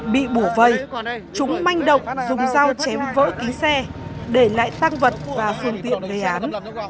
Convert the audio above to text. bị bù vây chúng manh động dùng dao chém vỡ kính xe để lại tăng vật và phương tiện gây án